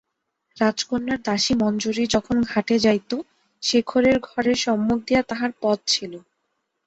রাজকন্যার দাসী মঞ্জরী যখন ঘাটে যাইত, শেখরের ঘরের সম্মুখ দিয়া তাহার পথ ছিল।